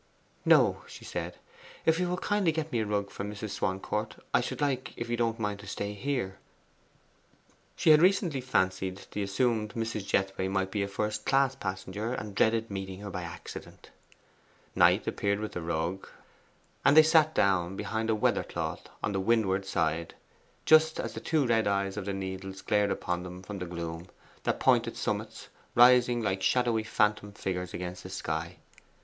'No,' she said. 'If you will kindly get me a rug from Mrs. Swancourt, I should like, if you don't mind, to stay here.' She had recently fancied the assumed Mrs. Jethway might be a first class passenger, and dreaded meeting her by accident. Knight appeared with the rug, and they sat down behind a weather cloth on the windward side, just as the two red eyes of the Needles glared upon them from the gloom, their pointed summits rising like shadowy phantom figures against the sky.